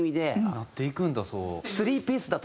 なっていくんだそう。